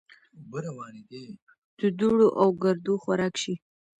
د دوړو او ګردو خوراک شي .